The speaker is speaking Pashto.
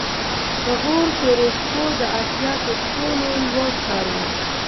د غور فیروزکوه د اسیا تر ټولو لوړ ښار و